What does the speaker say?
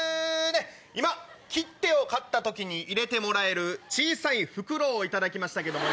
今切手を買った時に入れてもらえる小さい袋を頂きましたけどもね。